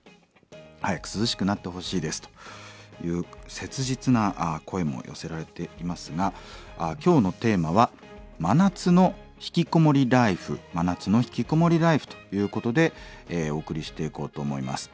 早く涼しくなってほしいです」という切実な声も寄せられていますが今日のテーマは「真夏のひきこもりライフ」「真夏のひきこもりライフ」ということでお送りしていこうと思います。